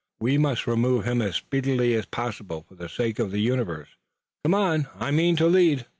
"We must remove him as speedily as possible for the sake of the universe. Come on! I mean to lead."